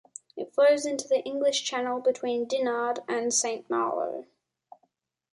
It flows into the English Channel between Dinard and Saint-Malo.